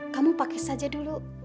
kamu pakai saja dulu